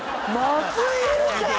松井いるじゃん！